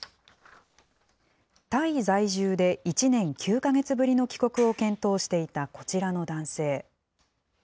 タイ在住で１年９か月ぶりの帰国を検討していたこちらの男性。